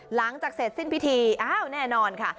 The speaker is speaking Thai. หลังจากเสร็จสิ้นพิธีอ้าวแน่นอนค่ะ